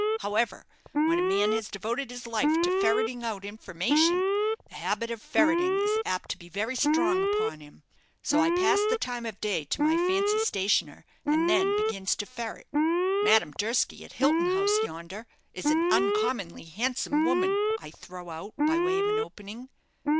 However, when a man has devoted his life to ferreting out information, the habit of ferreting is apt to be very strong upon him; so I pass the time of day to my fancy stationer, and then begins to ferret. 'Madame Durski, at Hilton House yonder, is an uncommonly handsome woman,' I throw out, by way of an opening.